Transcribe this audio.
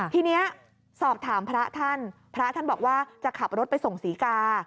ทีนี้สอบถามพระท่านพระท่านบอกว่าจะขับรถไปส่งศรีกา